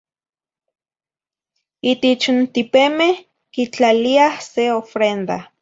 itich n tipemeh quitlaliah se ofrenda.